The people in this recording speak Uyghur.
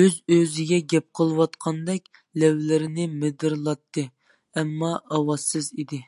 ئۆز-ئۆزىگە گەپ قىلىۋاتقاندەك لەۋلىرىنى مىدىرلاتتى، ئەمما ئاۋازسىز ئىدى.